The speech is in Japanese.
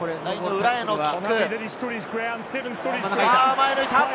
前、抜いた！